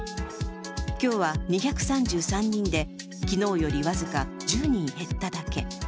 今日は２３３人で、昨日より僅か１０人減っただけ。